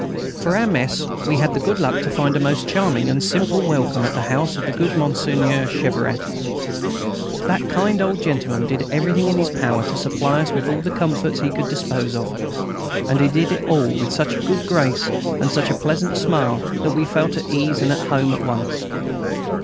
For our mess we had the good luck to find a most charming and simple welcome at the house of good Monsieur Cheveret. That kind old gentleman did everything in his power to supply us with all the comforts he could dispose of. And he did it all with such good grace and such a pleasant smile that we felt at ease and at home at once.